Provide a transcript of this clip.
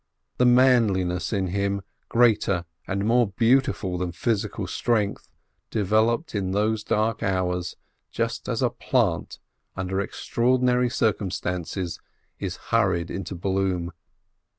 The manliness in him greater and more beautiful than physical strength, developed in those dark hours just as a plant under extraordinary circumstances is hurried into bloom.